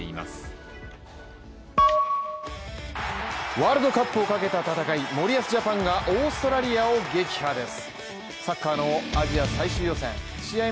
ワールドカップをかけた戦い森保ジャパンがオーストラリアを撃破です